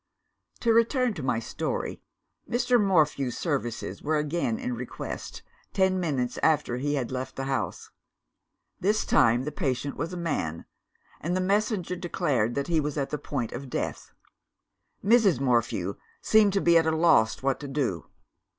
"To return to my story. Mr. Morphew's services were again in request, ten minutes after he had left the house. This time the patient was a man and the messenger declared that he was at the point of death. "Mrs. Morphew seemed to be at a loss what to do.